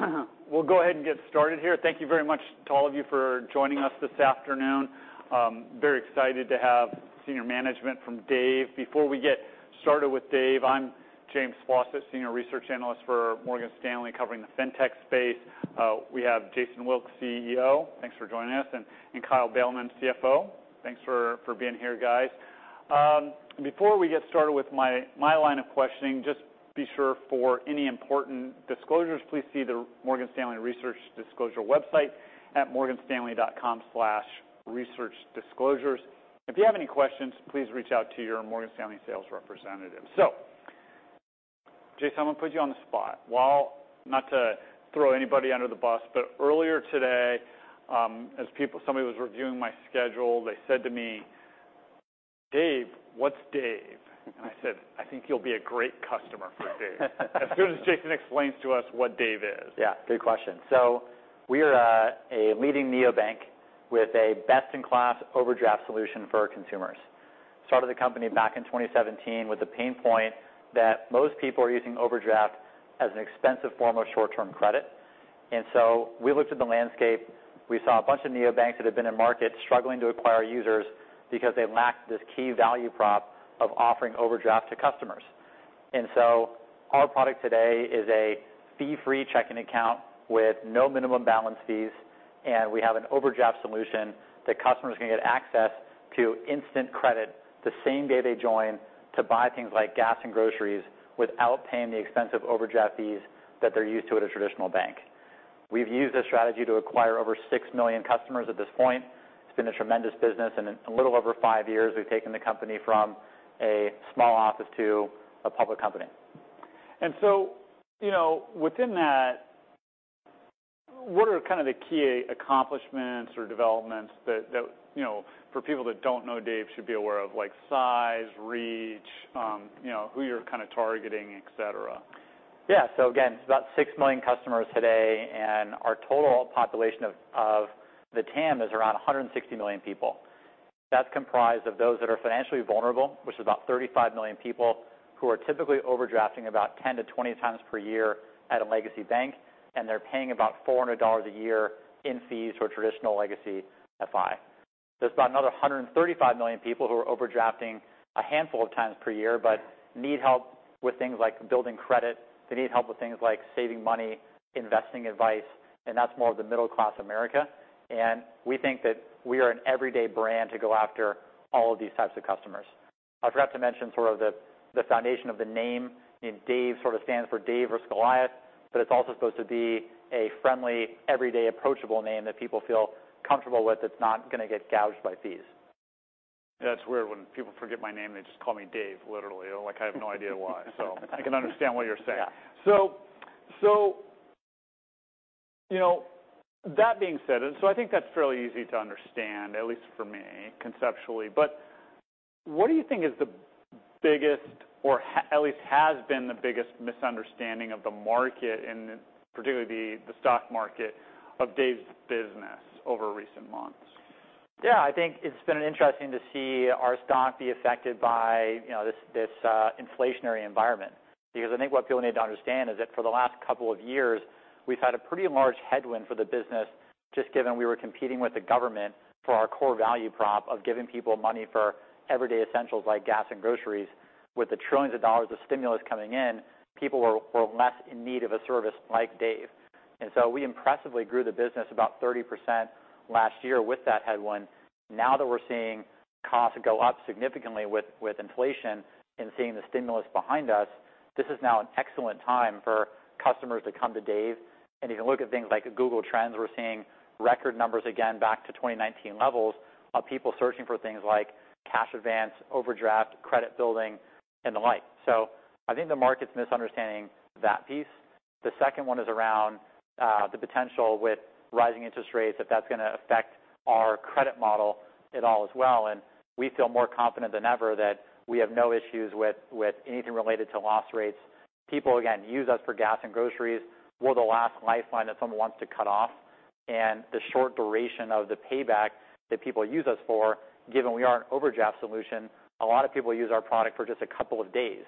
All right. Well, go ahead and get started here. Thank you very much to all of you for joining us this afternoon. Very excited to have senior management from Dave. Before we get started with Dave, I'm James Faucette, senior research analyst for Morgan Stanley covering the fintech space. We have Jason Wilk, CEO. Thanks for joining us. And Kyle Beilman, CFO. Thanks for being here, guys. Before we get started with my line of questioning, just be sure for any important disclosures, please see the Morgan Stanley Research Disclosure website at morganstanley.com/researchdisclosures. If you have any questions, please reach out to your Morgan Stanley sales representative. So, Jason, I'm gonna put you on the spot while not to throw anybody under the bus, but earlier today, as people, somebody was reviewing my schedule, they said to me, "Dave, what's Dave?" And I said, "I think you'll be a great customer for Dave." As soon as Jason explains to us what Dave is. Yeah. Good question, so we are a leading neobank with a best-in-class overdraft solution for consumers. Started the company back in 2017 with the pain point that most people are using overdraft as an expensive form of short-term credit, and so we looked at the landscape. We saw a bunch of neobanks that had been in market struggling to acquire users because they lacked this key value prop of offering overdraft to customers, and so our product today is a fee-free checking account with no minimum balance fees, and we have an overdraft solution that customers can get access to instant credit the same day they join to buy things like gas and groceries without paying the expensive overdraft fees that they're used to at a traditional bank. We've used this strategy to acquire over six million customers at this point. It's been a tremendous business. In a little over five years, we've taken the company from a small office to a public company. And so, you know, within that, what are kind of the key accomplishments or developments that you know, for people that don't know Dave should be aware of, like size, reach, you know, who you're kind of targeting, etc.? Yeah. So again, about 6 million customers today, and our total population of the TAM is around 160 million people. That's comprised of those that are financially vulnerable, which is about 35 million people who are typically overdrafting about 10x-20x per year at a legacy bank, and they're paying about $400 a year in fees for traditional legacy FI. There's about another 135 million people who are overdrafting a handful of times per year but need help with things like building credit. They need help with things like saving money, investing advice, and that's more of the middle-class America. And we think that we are an everyday brand to go after all of these types of customers. I forgot to mention sort of the foundation of the name. I mean, Dave sort of stands for Dave or Scoliot, but it's also supposed to be a friendly, everyday, approachable name that people feel comfortable with that's not gonna get gouged by fees. That's weird. When people forget my name, they just call me Dave, literally, like I have no idea why. So I can understand what you're saying. Yeah. So, you know, that being said, and so I think that's fairly easy to understand, at least for me, conceptually. But what do you think is the biggest or, at least has been the biggest misunderstanding of the market and particularly the stock market of Dave's business over recent months? Yeah. I think it's been interesting to see our stock be affected by, you know, this inflationary environment because I think what people need to understand is that for the last couple of years, we've had a pretty large headwind for the business just given we were competing with the government for our core value prop of giving people money for everyday essentials like gas and groceries. With the trillions of dollars of stimulus coming in, people were less in need of a service like Dave. And so we impressively grew the business about 30% last year with that headwind. Now that we're seeing costs go up significantly with inflation and seeing the stimulus behind us, this is now an excellent time for customers to come to Dave. If you look at things like Google Trends, we're seeing record numbers again back to 2019 levels of people searching for things like cash advance, overdraft, credit building, and the like. So I think the market's misunderstanding that piece. The second one is around the potential with rising interest rates if that's gonna affect our credit model at all as well. And we feel more confident than ever that we have no issues with anything related to loss rates. People, again, use us for gas and groceries. We're the last lifeline that someone wants to cut off. And the short duration of the payback that people use us for, given we are an overdraft solution, a lot of people use our product for just a couple of days.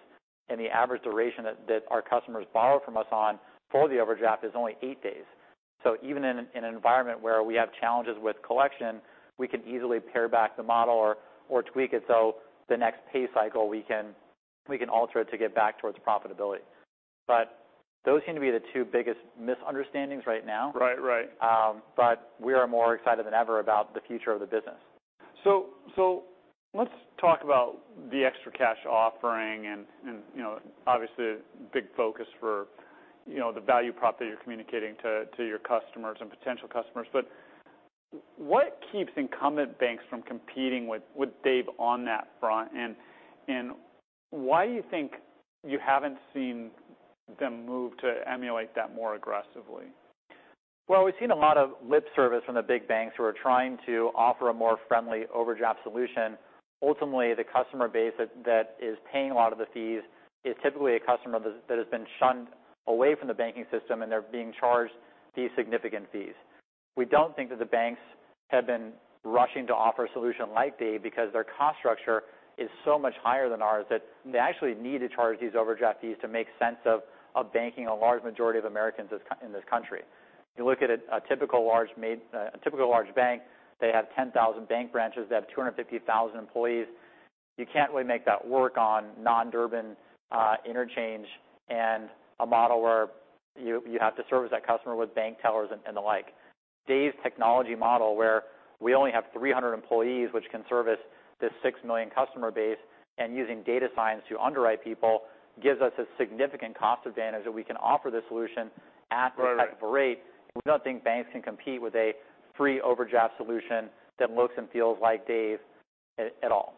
And the average duration that our customers borrow from us on for the overdraft is only eight days. Even in an environment where we have challenges with collection, we can easily pare back the model or tweak it so the next pay cycle we can alter it to get back towards profitability. But those seem to be the two biggest misunderstandings right now. Right. Right. But we are more excited than ever about the future of the business. So let's talk about the ExtraCash offering and, you know, obviously a big focus for, you know, the value prop that you're communicating to your customers and potential customers. But what keeps incumbent banks from competing with Dave on that front? And why do you think you haven't seen them move to emulate that more aggressively? We've seen a lot of lip service from the big banks who are trying to offer a more friendly overdraft solution. Ultimately, the customer base that is paying a lot of the fees is typically a customer that has been shunned away from the banking system, and they're being charged these significant fees. We don't think that the banks have been rushing to offer a solution like Dave because their cost structure is so much higher than ours that they actually need to charge these overdraft fees to make sense of banking a large majority of Americans in this country. You look at a typical large bank, they have 10,000 bank branches. They have 250,000 employees. You can't really make that work on non-Durbin interchange and a model where you have to service that customer with bank tellers and the like. Dave's technology model where we only have 300 employees, which can service this 6 million customer base and using data science to underwrite people gives us a significant cost advantage that we can offer the solution at this type of rate. Right. We don't think banks can compete with a free overdraft solution that looks and feels like Dave at all.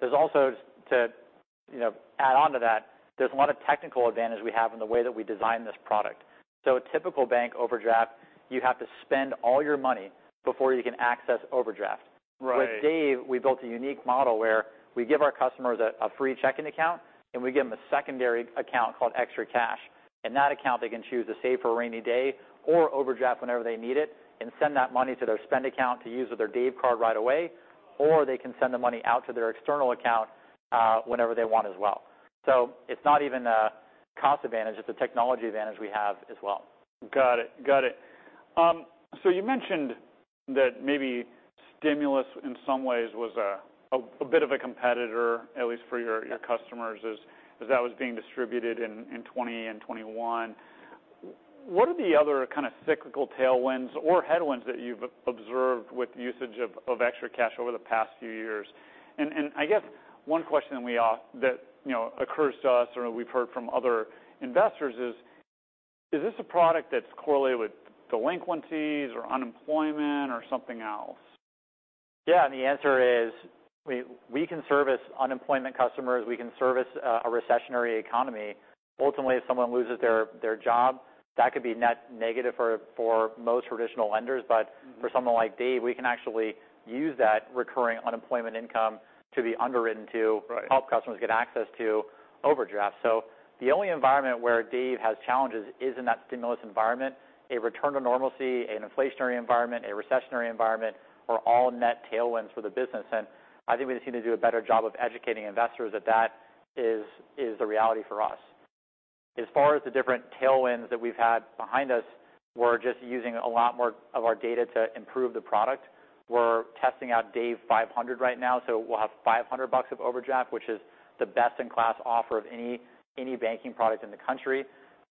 There's also, you know, add on to that, there's a lot of technical advantage we have in the way that we design this product. So a typical bank overdraft, you have to spend all your money before you can access overdraft. Right. With Dave, we built a unique model where we give our customers a free checking account, and we give them a secondary account called ExtraCash. In that account, they can choose to save for a rainy day or overdraft whenever they need it and send that money to their spend account to use with their Dave card right away, or they can send the money out to their external account, whenever they want as well. So it's not even a cost advantage. It's a technology advantage we have as well. Got it. So you mentioned that maybe stimulus in some ways was a bit of a competitor, at least for your customers, as that was being distributed in 2020 and 2021. What are the other kind of cyclical tailwinds or headwinds that you've observed with usage of ExtraCash over the past few years? And I guess one question we have of that, you know, occurs to us or we've heard from other investors is this a product that's correlated with delinquencies or unemployment or something else? Yeah, and the answer is, we can service unemployment customers. We can service a recessionary economy. Ultimately, if someone loses their job, that could be net negative for most traditional lenders. But for someone like Dave, we can actually use that recurring unemployment income to be underwritten to. Right. Help customers get access to overdraft. So the only environment where Dave has challenges is in that stimulus environment. A return to normalcy, an inflationary environment, a recessionary environment are all net tailwinds for the business. And I think we just need to do a better job of educating investors that that is, is the reality for us. As far as the different tailwinds that we've had behind us, we're just using a lot more of our data to improve the product. We're testing out Dave 500 right now, so we'll have $500 of overdraft, which is the best-in-class offer of any, any banking product in the country.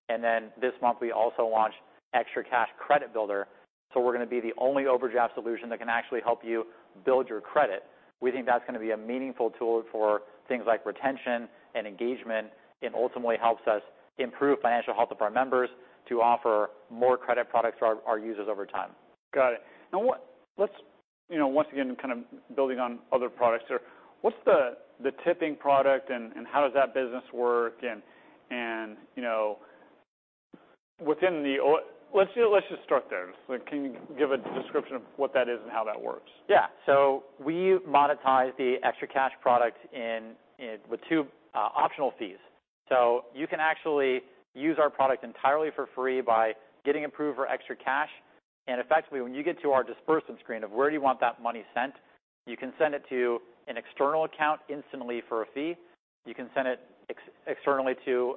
And then this month, we also launched ExtraCash Credit Builder. So we're gonna be the only overdraft solution that can actually help you build your credit. We think that's gonna be a meaningful tool for things like retention and engagement and ultimately helps us improve financial health of our members to offer more credit products to our users over time. Got it. Now, you know, once again, kind of building on other products here, what's the tipping product and how does that business work? And, you know, let's just start there. Can you give a description of what that is and how that works? Yeah. So we monetize the ExtraCash product in with two optional fees. So you can actually use our product entirely for free by getting approved for ExtraCash. And effectively, when you get to our disbursement screen of where do you want that money sent, you can send it to an external account instantly for a fee. You can send it externally to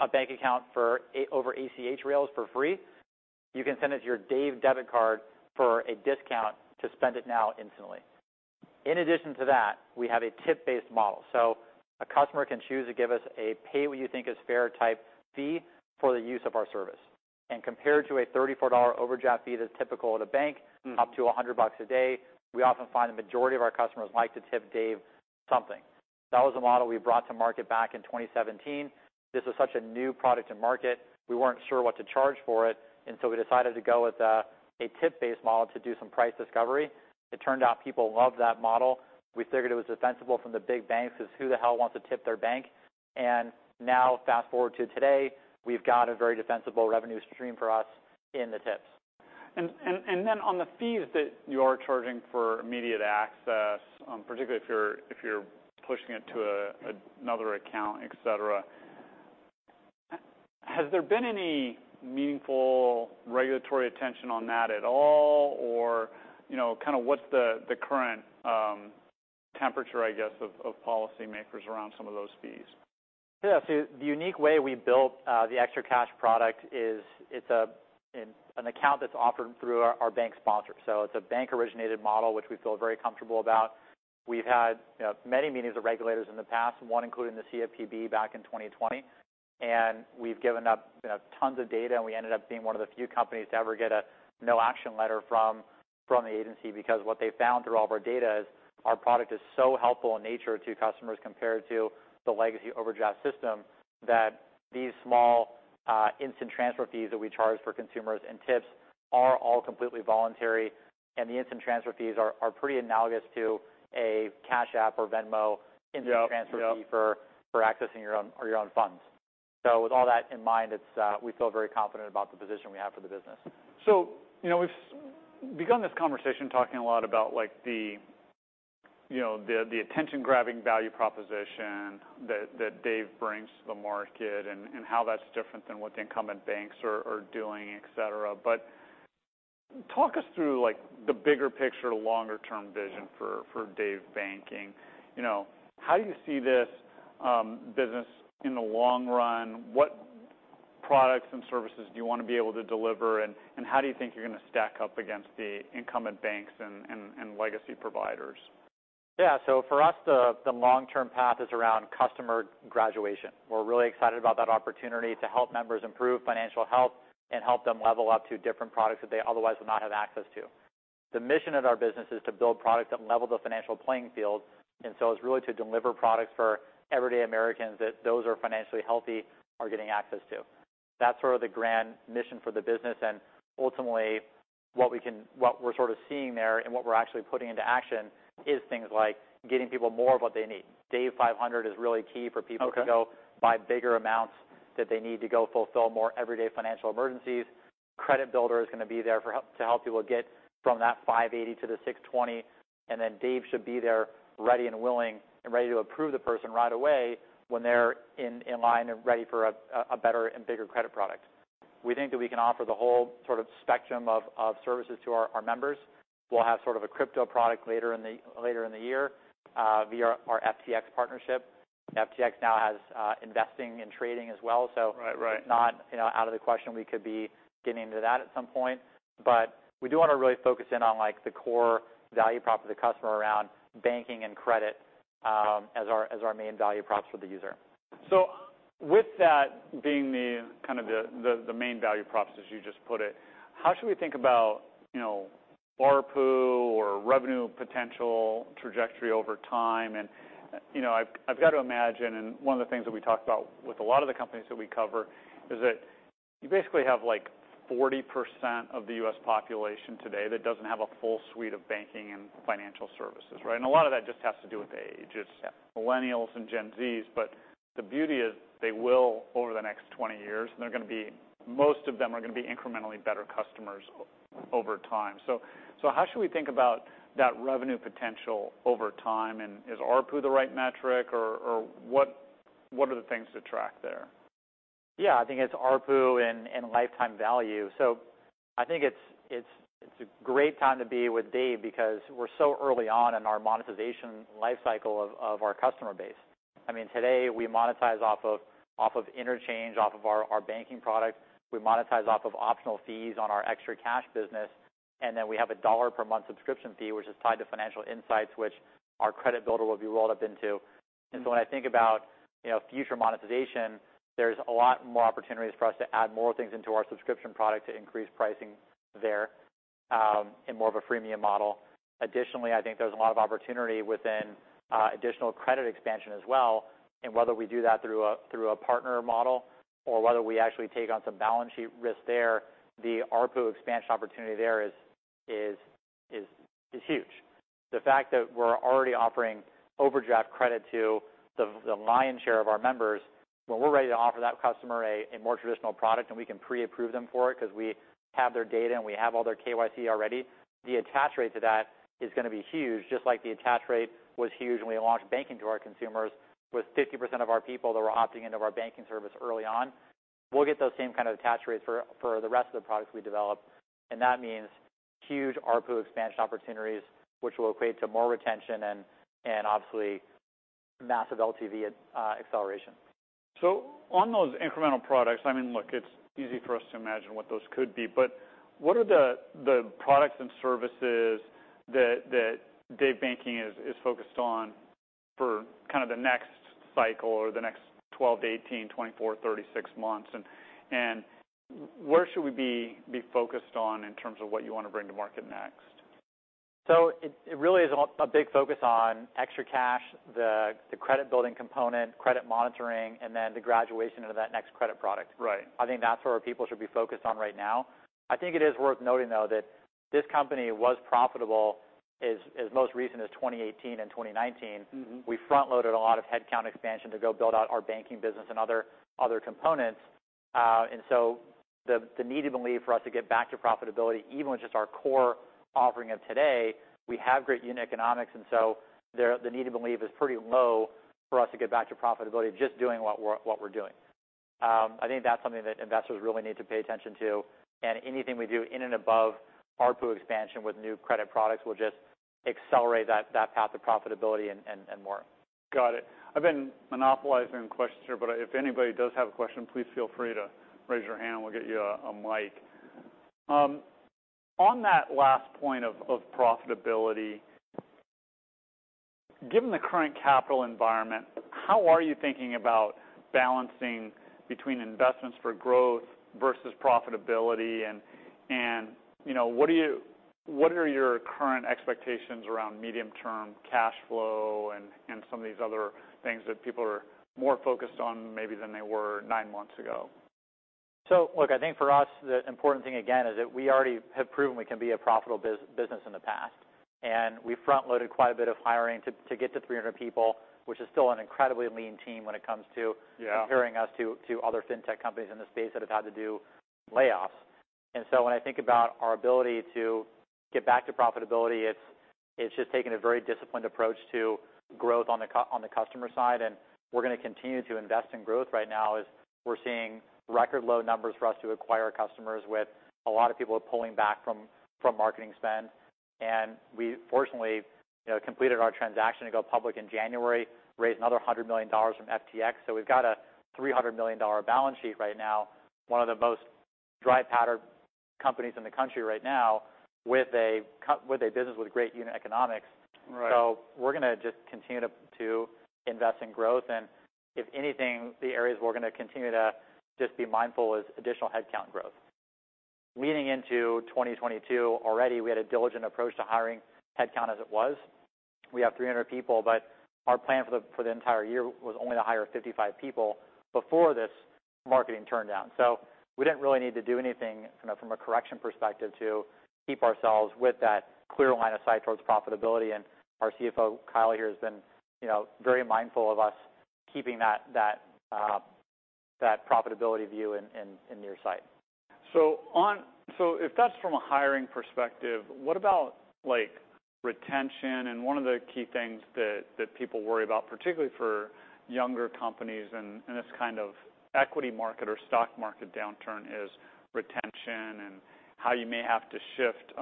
a bank account for free over ACH rails. You can send it to your Dave Debit Card for a discount to spend it now instantly. In addition to that, we have a tip-based model. So a customer can choose to give us a pay-what-you-think-is-fair type fee for the use of our service. And compared to a $34 overdraft fee that's typical at a bank. Mm-hmm. Up to $100 a day, we often find the majority of our customers like to tip Dave something. That was a model we brought to market back in 2017. This was such a new product to market, we weren't sure what to charge for it, and so we decided to go with a tip-based model to do some price discovery. It turned out people loved that model. We figured it was defensible from the big banks 'cause who the hell wants to tip their bank? And now, fast forward to today, we've got a very defensible revenue stream for us in the tips. And then on the fees that you are charging for immediate access, particularly if you're pushing it to another account, etc., has there been any meaningful regulatory attention on that at all? Or, you know, kind of what's the current temperature, I guess, of policymakers around some of those fees? Yeah. So the unique way we built the ExtraCash product is it's an account that's offered through our bank sponsor. So it's a bank-originated model, which we feel very comfortable about. We've had, you know, many meetings with regulators in the past, one including the CFPB back in 2020. And we've given up, you know, tons of data, and we ended up being one of the few companies to ever get a no-action letter from the agency because what they found through all of our data is our product is so helpful in nature to customers compared to the legacy overdraft system that these small, instant transfer fees that we charge for consumers and tips are all completely voluntary. And the instant transfer fees are pretty analogous to a Cash App or Venmo. Yeah. Instant transfer fee for accessing your own funds. So with all that in mind, we feel very confident about the position we have for the business. So, you know, we've begun this conversation talking a lot about, like, the you know, the attention-grabbing value proposition that Dave brings to the market and how that's different than what the incumbent banks are doing, etc. But talk us through, like, the bigger picture, longer-term vision for Dave Banking. You know, how do you see this business in the long run? What products and services do you wanna be able to deliver? And how do you think you're gonna stack up against the incumbent banks and legacy providers? Yeah. So for us, the long-term path is around customer graduation. We're really excited about that opportunity to help members improve financial health and help them level up to different products that they otherwise would not have access to. The mission of our business is to build products that level the financial playing field. And so it's really to deliver products for everyday Americans that those who are financially healthy are getting access to. That's sort of the grand mission for the business. And ultimately, what we're sort of seeing there and what we're actually putting into action is things like getting people more of what they need. Dave 500 is really key for people to go. Okay. Buy bigger amounts that they need to go fulfill more everyday financial emergencies. Credit builder is gonna be there for help to help people get from that 580 to the 620. And then Dave should be there ready and willing to approve the person right away when they're in line and ready for a better and bigger credit product. We think that we can offer the whole sort of spectrum of services to our members. We'll have sort of a crypto product later in the year, via our FTX partnership. FTX now has investing and trading as well. So. Right. Right. It's not, you know, out of the question we could be getting into that at some point. But we do wanna really focus in on, like, the core value prop of the customer around banking and credit, as our, as our main value props for the user. So with that being the kind of main value props, as you just put it, how should we think about, you know, ARPU or revenue potential trajectory over time? And, you know, I've got to imagine, and one of the things that we talk about with a lot of the companies that we cover is that you basically have, like, 40% of the U.S. population today that doesn't have a full suite of banking and financial services, right? And a lot of that just has to do with age. Yeah. It's millennials and Gen Zs. But the beauty is they will, over the next 20 years, most of them are gonna be incrementally better customers over time. So how should we think about that revenue potential over time? And is RPU the right metric? Or what are the things to track there? Yeah. I think it's RPU and lifetime value. So I think it's a great time to be with Dave because we're so early on in our monetization life cycle of our customer base. I mean, today, we monetize off of interchange, off of our banking product. We monetize off of optional fees on our ExtraCash business. And then we have a $1-per-month subscription fee, which is tied to financial insights, which our Credit Builder will be rolled up into. And so when I think about, you know, future monetization, there's a lot more opportunities for us to add more things into our subscription product to increase pricing there, in more of a freemium model. Additionally, I think there's a lot of opportunity within additional credit expansion as well. Whether we do that through a partner model or whether we actually take on some balance sheet risk there, the RPU expansion opportunity there is huge. The fact that we're already offering overdraft credit to the lion's share of our members, when we're ready to offer that customer a more traditional product and we can pre-approve them for it 'cause we have their data and we have all their KYC already, the attach rate to that is gonna be huge, just like the attach rate was huge when we launched banking to our consumers with 50% of our people that were opting into our banking service early on. We'll get those same kind of attach rates for the rest of the products we develop. That means huge RPU expansion opportunities, which will equate to more retention and obviously massive LTV acceleration. So on those incremental products, I mean, look, it's easy for us to imagine what those could be. But what are the products and services that Dave Banking is focused on for kind of the next cycle or the next 12 months to 18 months, 24 months, 36 months? And where should we be focused on in terms of what you wanna bring to market next? It really is a big focus on ExtraCash, the credit building component, credit monitoring, and then the graduation into that next credit product. Right. I think that's where our people should be focused on right now. I think it is worth noting, though, that this company was profitable as recently as 2018 and 2019. Mm-hmm. We front-loaded a lot of headcount expansion to go build out our banking business and other components, and so the need to believe for us to get back to profitability, even with just our core offering of today, we have great unit economics, and so the need to believe is pretty low for us to get back to profitability just doing what we're doing. I think that's something that investors really need to pay attention to, and anything we do in and above RPU expansion with new credit products will just accelerate that path to profitability and more. Got it. I've been monopolizing questions here, but if anybody does have a question, please feel free to raise your hand. We'll get you a mic. On that last point of profitability, given the current capital environment, how are you thinking about balancing between investments for growth versus profitability? And, you know, what are your current expectations around medium-term cash flow and some of these other things that people are more focused on maybe than they were nine months ago? So, look, I think for us, the important thing again is that we already have proven we can be a profitable business in the past. And we front-loaded quite a bit of hiring to get to 300 people, which is still an incredibly lean team when it comes to. Yeah. Comparing us to other fintech companies in the space that have had to do layoffs. And so when I think about our ability to get back to profitability, it's just taken a very disciplined approach to growth on the customer side. And we're gonna continue to invest in growth right now as we're seeing record-low numbers for us to acquire customers with a lot of people pulling back from marketing spend. And we, fortunately, you know, completed our transaction to go public in January, raised another $100 million from FTX. So we've got a $300 million balance sheet right now, one of the most dry powder companies in the country right now with a business with great unit economics. Right. So we're gonna just continue to invest in growth. And if anything, the areas we're gonna continue to just be mindful is additional headcount growth. Leading into 2022, already we had a diligent approach to hiring headcount as it was. We have 300 people, but our plan for the entire year was only to hire 55 people before this marketing turned down. So we didn't really need to do anything from a correction perspective to keep ourselves with that clear line of sight towards profitability. And our CFO, Kyle, here has been, you know, very mindful of us keeping that profitability view in near sight. If that's from a hiring perspective, what about, like, retention? And one of the key things that people worry about, particularly for younger companies and this kind of equity market or stock market downturn, is retention and how you may have to shift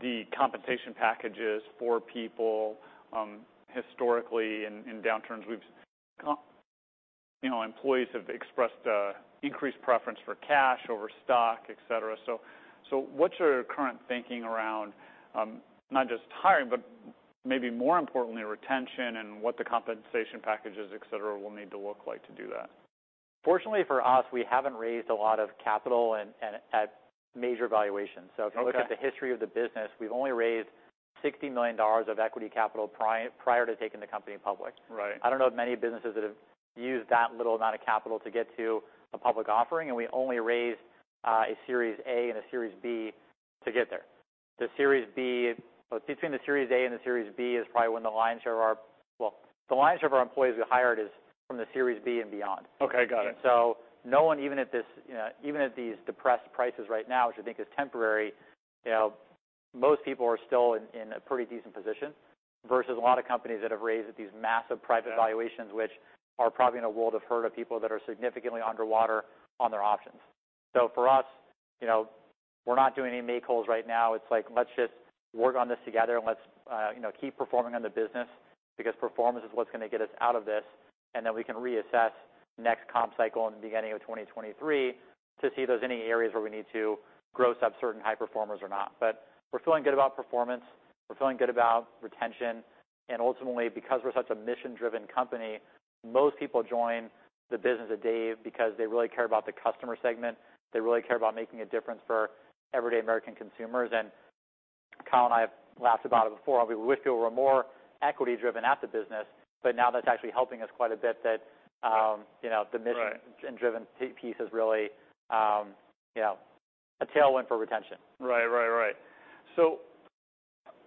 the compensation packages for people. Historically, in downturns, you know, employees have expressed an increased preference for cash over stock, etc. So, what's your current thinking around, not just hiring, but maybe more importantly, retention and what the compensation packages, etc., will need to look like to do that? Fortunately for us, we haven't raised a lot of capital and at major valuations. Okay. If you look at the history of the business, we've only raised $60 million of equity capital prior to taking the company public. Right. I don't know of many businesses that have used that little amount of capital to get to a public offering, and we only raised a Series A and a Series B to get there. The Series B, but between the Series A and the Series B is probably when the lion's share of our well, the lion's share of our employees we hired is from the Series B and beyond. Okay. Got it. And so, no one, even at this, you know, even at these depressed prices right now, which I think is temporary, you know, most people are still in a pretty decent position versus a lot of companies that have raised at these massive private valuations, which are probably in a world of hurt for people that are significantly underwater on their options. So for us, you know, we're not doing any make-wholes right now. It's like, let's just work on this together and let's, you know, keep performing on the business because performance is what's gonna get us out of this. And then we can reassess next comp cycle in the beginning of 2023 to see if there's any areas where we need to gross up certain high performers or not. But we're feeling good about performance. We're feeling good about retention. Ultimately, because we're such a mission-driven company, most people join the business of Dave because they really care about the customer segment. They really care about making a difference for everyday American consumers. And Kyle and I have laughed about it before. We wish people were more equity-driven at the business, but now that's actually helping us quite a bit that, you know, the mission. Right. Driven piece is really, you know, a tailwind for retention. Right. So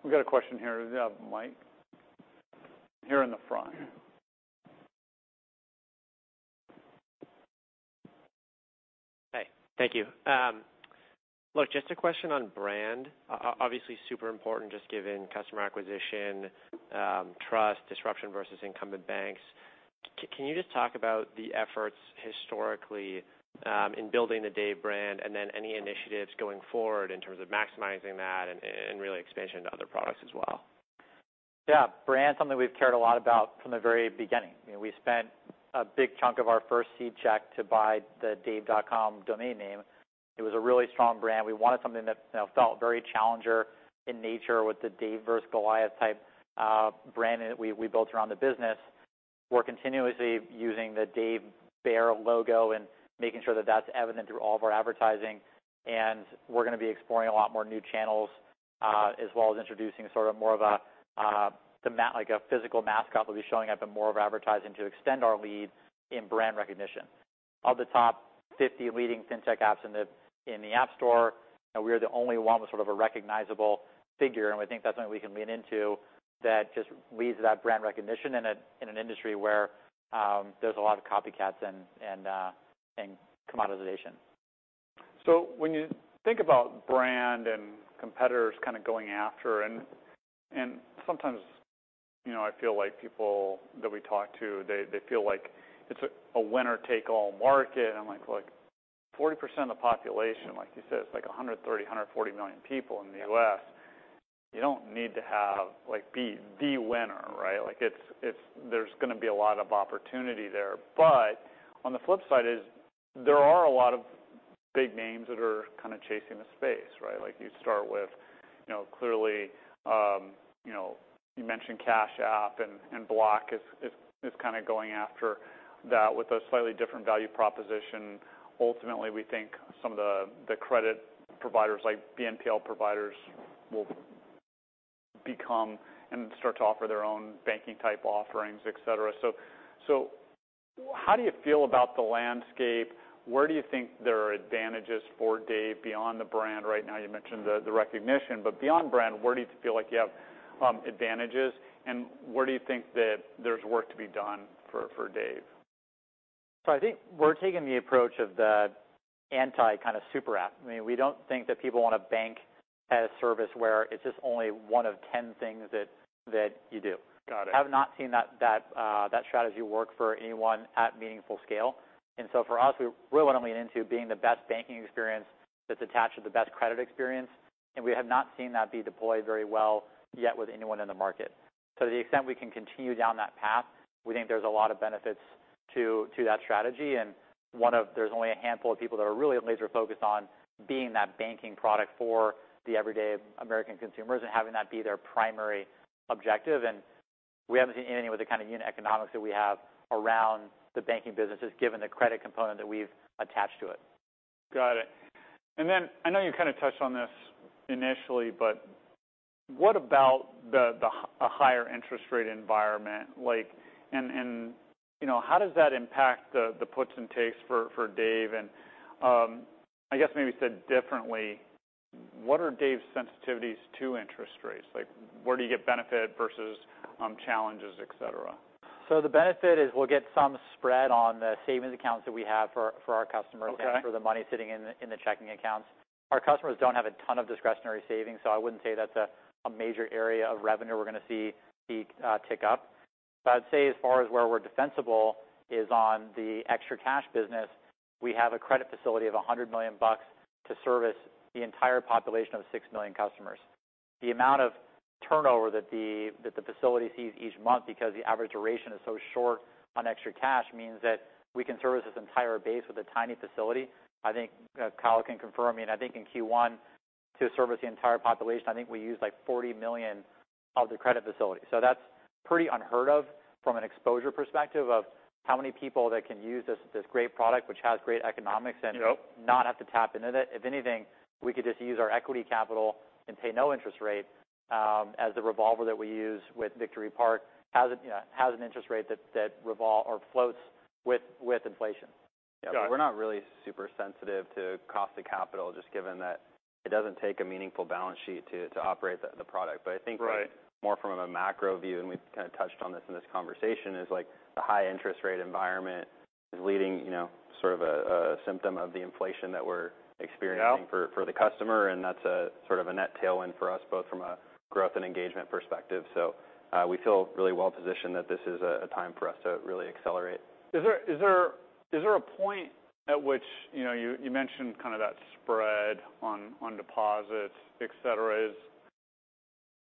we got a question here. We have Mike here in the front. Hey. Thank you. Look, just a question on brand. Obviously super important just given customer acquisition, trust, disruption versus incumbent banks. Can you just talk about the efforts historically in building the Dave brand and then any initiatives going forward in terms of maximizing that and really expansion to other products as well? Yeah. Brand's something we've cared a lot about from the very beginning. You know, we spent a big chunk of our first seed check to buy the dave.com domain name. It was a really strong brand. We wanted something that, you know, felt very challenger in nature with the Dave versus Goliath type, brand that we, we built around the business. We're continuously using the Dave Bear logo and making sure that that's evident through all of our advertising. And we're gonna be exploring a lot more new channels, as well as introducing sort of more of a, like a physical mascot will be showing up in more of our advertising to extend our lead in brand recognition. Of the top 50 leading fintech apps in the App Store, you know, we are the only one with sort of a recognizable figure. And we think that's something we can lean into that just leads to that brand recognition in an industry where there's a lot of copycats and commoditization. So when you think about brand and competitors kinda going after and sometimes, you know, I feel like people that we talk to, they feel like it's a winner-take-all market. And I'm like, look, 40% of the population, like you said, it's like 130-140 million people in the U.S. You don't need to have, like, be winner, right? Like, it's. There's gonna be a lot of opportunity there. But on the flip side is there are a lot of big names that are kinda chasing the space, right? Like, you start with, you know, clearly, you know, you mentioned Cash App and Block is kinda going after that with a slightly different value proposition. Ultimately, we think some of the credit providers like BNPL providers will become and start to offer their own banking-type offerings, etc. So, how do you feel about the landscape? Where do you think there are advantages for Dave beyond the brand? Right now, you mentioned the recognition. But beyond brand, where do you feel like you have advantages? And where do you think that there's work to be done for Dave? So I think we're taking the approach of the anti-kinda super app. I mean, we don't think that people want a bank as a service where it's just only one of 10 things that you do. Got it. I have not seen that strategy work for anyone at meaningful scale. And so for us, we really wanna lean into being the best banking experience that's attached to the best credit experience. And we have not seen that be deployed very well yet with anyone in the market. So to the extent we can continue down that path, we think there's a lot of benefits to that strategy. And one of there's only a handful of people that are really laser-focused on being that banking product for the everyday American consumers and having that be their primary objective. And we haven't seen anything with the kind of unit economics that we have around the banking businesses given the credit component that we've attached to it. Got it. And then I know you kinda touched on this initially, but what about the higher interest rate environment? Like, and you know, how does that impact the puts and takes for Dave? And, I guess maybe said differently, what are Dave's sensitivities to interest rates? Like, where do you get benefit versus challenges, etc.? So the benefit is we'll get some spread on the savings accounts that we have for our customers. Okay. For the money sitting in the checking accounts. Our customers don't have a ton of discretionary savings, so I wouldn't say that's a major area of revenue we're gonna see a tick up. But I'd say as far as where we're defensible is on the extra cash business, we have a credit facility of $100 million to service the entire population of six million customers. The amount of turnover that the facility sees each month because the average duration is so short on extra cash means that we can service this entire base with a tiny facility. I think Kyle can confirm. I mean, I think in Q1 to service the entire population, I think we used like 40 million of the credit facility. So that's pretty unheard of from an exposure perspective of how many people that can use this great product which has great economics and. Yep. Not have to tap into that. If anything, we could just use our equity capital and pay no interest rate, as the revolver that we use with Victory Park has an, you know, interest rate that revolves or floats with inflation. Got it. Yeah. So we're not really super sensitive to cost of capital just given that it doesn't take a meaningful balance sheet to operate the product. But I think that. Right. More from a macro view, and we've kinda touched on this in this conversation, is like the high interest rate environment is leading, you know, sort of a symptom of the inflation that we're experiencing. Yep. For the customer. That's a sort of a net tailwind for us both from a growth and engagement perspective. We feel really well-positioned that this is a time for us to really accelerate. Is there a point at which, you know, you mentioned kinda that spread on deposits, etc.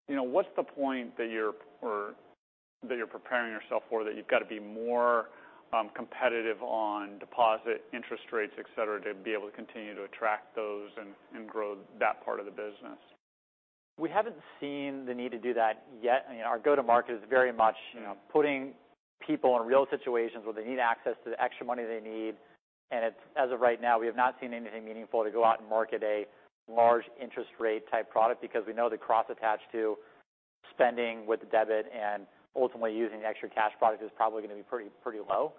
You know, what's the point that you're preparing yourself for that you've gotta be more competitive on deposit interest rates, etc., to be able to continue to attract those and grow that part of the business? We haven't seen the need to do that yet. I mean, our go-to-market is very much, you know, putting people in real situations where they need access to the extra money they need. And it's as of right now, we have not seen anything meaningful to go out and market a large interest rate type product because we know the cost attached to spending with the debit and ultimately using the extra cash product is probably gonna be pretty, pretty low.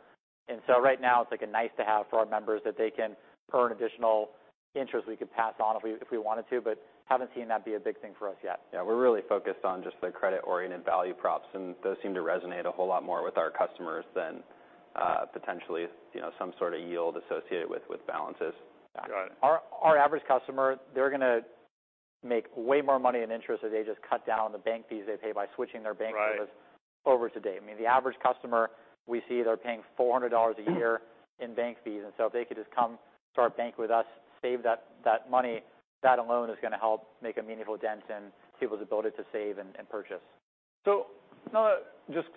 And so right now, it's like a nice-to-have for our members that they can earn additional interest we could pass on if we, if we wanted to. But haven't seen that be a big thing for us yet. Yeah. We're really focused on just the credit-oriented value props. And those seem to resonate a whole lot more with our customers than, potentially, you know, some sort of yield associated with balances. Got it. Our average customer, they're gonna make way more money in interest if they just cut down the bank fees they pay by switching their bank service. Right. Over to Dave. I mean, the average customer, we see they're paying $400 a year in bank fees. And so if they could just come start banking with us, save that, that money, that alone is gonna help make a meaningful dent in people's ability to save and, and purchase. So, now, just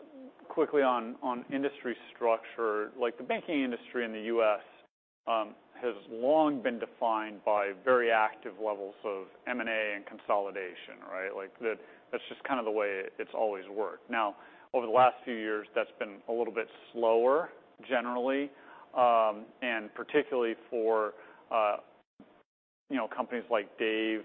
quickly on industry structure, like, the banking industry in the U.S. has long been defined by very active levels of M&A and consolidation, right? Like, that's just kinda the way it's always worked. Now, over the last few years, that's been a little bit slower generally, and particularly for, you know, companies like Dave.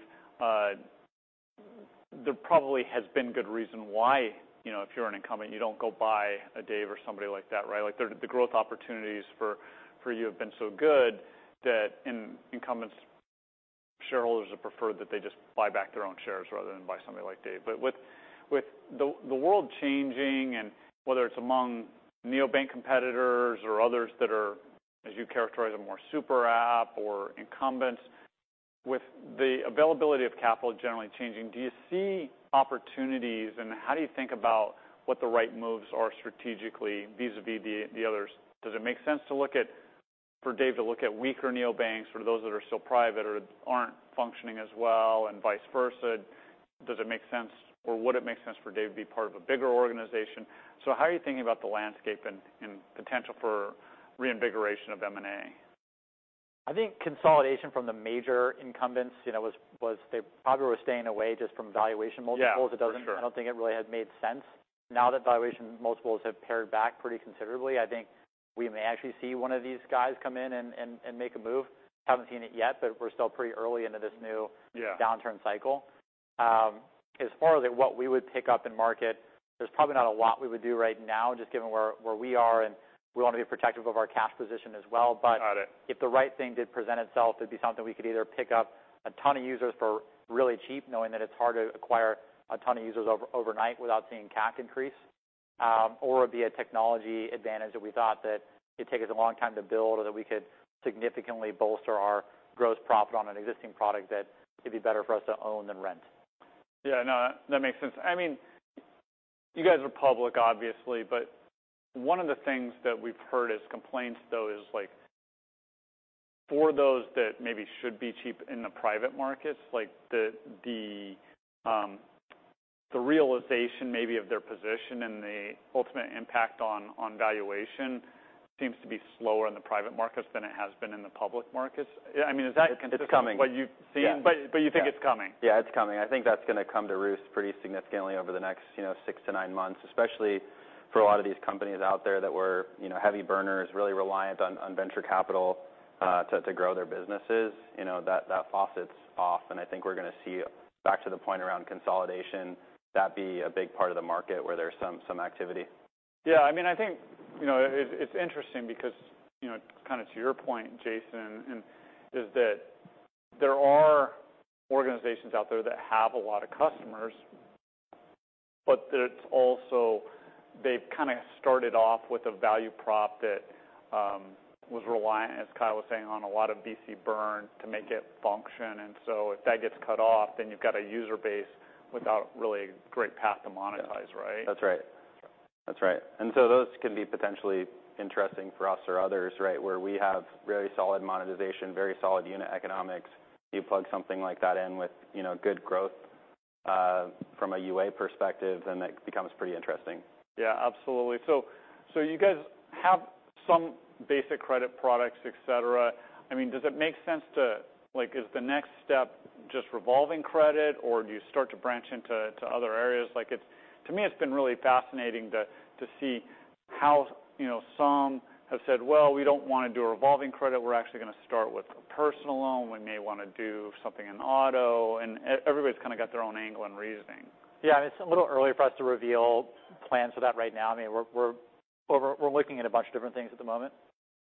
There probably has been good reason why, you know, if you're an incumbent, you don't go buy a Dave or somebody like that, right? Like, the growth opportunities for you have been so good that incumbent shareholders have preferred that they just buy back their own shares rather than buy somebody like Dave. But with the world changing and whether it's among neobank competitors or others that are, as you characterize, a more super app or incumbents, with the availability of capital generally changing, do you see opportunities? And how do you think about what the right moves are strategically vis-à-vis the others? Does it make sense for Dave to look at weaker neobanks or those that are still private or aren't functioning as well and vice versa? Does it make sense or would it make sense for Dave to be part of a bigger organization? So how are you thinking about the landscape and potential for reinvigoration of M&A? I think consolidation from the major incumbents, you know, was. They probably were staying away just from valuation multiples. Yeah. Sure. It doesn't. I don't think it really had made sense. Now that valuation multiples have pared back pretty considerably, I think we may actually see one of these guys come in and make a move. Haven't seen it yet, but we're still pretty early into this new. Yeah. Downturn cycle. As far as what we would pick up in the market, there's probably not a lot we would do right now just given where we are. We wanna be protective of our cash position as well. But. Got it. If the right thing did present itself, it'd be something we could either pick up a ton of users for really cheap, knowing that it's hard to acquire a ton of users overnight without seeing CAC increase, or it'd be a technology advantage that we thought that it'd take us a long time to build or that we could significantly bolster our gross profit on an existing product that it'd be better for us to own than rent. Yeah. No, that makes sense. I mean, you guys are public, obviously, but one of the things that we've heard as complaints though is like for those that maybe should be cheap in the private markets, like the realization maybe of their position and the ultimate impact on valuation seems to be slower in the private markets than it has been in the public markets. I mean, is that. It's coming. What you've seen? But, but you think it's coming? Yeah. It's coming. I think that's gonna come to roost pretty significantly over the next, you know, six to nine months, especially for a lot of these companies out there that were, you know, heavy burners, really reliant on venture capital to grow their businesses. You know, that faucet's off. I think we're gonna see back to the point around consolidation, that'll be a big part of the market where there's some activity. Yeah. I mean, I think, you know, it's interesting because, you know, kinda to your point, Jason, and is that there are organizations out there that have a lot of customers, but that's also they've kinda started off with a value prop that was reliant, as Kyle was saying, on a lot of VC burn to make it function. And so if that gets cut off, then you've got a user base without really a great path to monetize, right? That's right. That's right. And so those can be potentially interesting for us or others, right, where we have very solid monetization, very solid unit economics. You plug something like that in with, you know, good growth, from a UA perspective, then that becomes pretty interesting. Yeah. Absolutely, so you guys have some basic credit products, etc. I mean, does it make sense to like, is the next step just revolving credit or do you start to branch into other areas? Like, it seems to me, it's been really fascinating to see how, you know, some have said, "Well, we don't wanna do a revolving credit. We're actually gonna start with a personal loan. We may wanna do something in auto." And everybody's kinda got their own angle and reasoning. Yeah, and it's a little early for us to reveal plans for that right now. I mean, we're looking at a bunch of different things at the moment.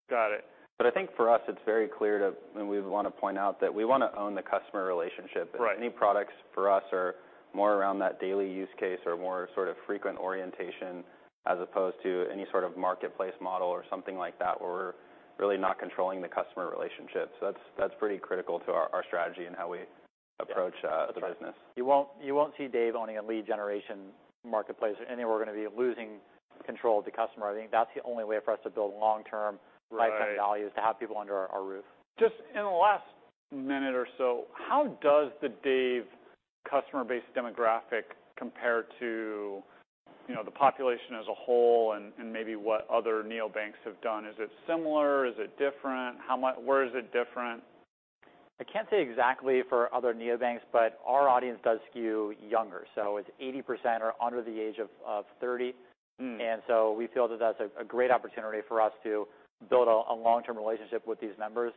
Got it. But I think for us, it's very clear to us and we wanna point out that we wanna own the customer relationship. Right. Any products for us are more around that daily use case or more sort of frequent orientation as opposed to any sort of marketplace model or something like that where we're really not controlling the customer relationship. So that's pretty critical to our strategy and how we approach the business. Absolutely. You won't see Dave owning a lead generation marketplace or anywhere we're gonna be losing control of the customer. I think that's the only way for us to build long-term. Right. Lifetime value is to have people under our roof. Just in the last minute or so, how does the Dave customer base demographic compare to, you know, the population as a whole and maybe what other neobanks have done? Is it similar? Is it different? How, where is it different? I can't say exactly for other neobanks, but our audience does skew younger, so it's 80% under the age of 30, and so we feel that that's a great opportunity for us to build a long-term relationship with these members.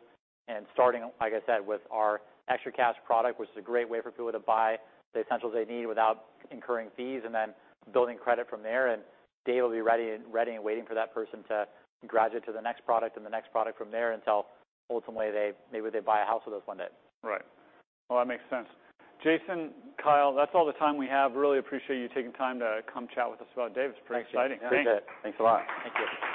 And starting, like I said, with our ExtraCash product, which is a great way for people to buy the essentials they need without incurring fees and then building credit from there, and Dave will be ready and ready and waiting for that person to graduate to the next product and the next product from there until ultimately they maybe buy a house with us one day. Right. Well, that makes sense. Jason, Kyle, that's all the time we have. Really appreciate you taking time to come chat with us about Dave. It's pretty exciting. Thanks. Thanks. Thanks a lot. Thank you.